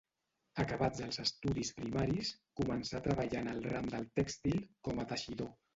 Acabats els estudis primaris, començà a treballar en el ram del tèxtil com a teixidor.